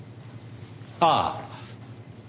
ああ。